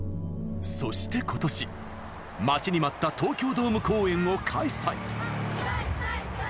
そして、ことし待ちに待った東京ドーム公演を開催。